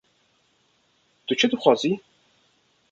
- Tu çi dixwazî?